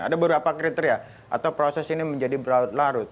ada beberapa kriteria atau proses ini menjadi berlarut larut